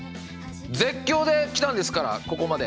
絶叫で来たんですからここまで。